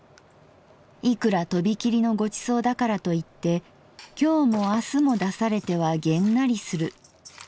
いくらとび切りのご馳走だからと言って今日も明日も出されてはげんなりする。